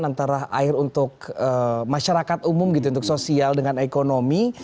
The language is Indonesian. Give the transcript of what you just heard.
antara air untuk masyarakat umum gitu untuk sosial dengan ekonomi